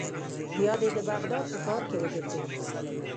بیا دې د بغداد په ښار کې وګرځوي.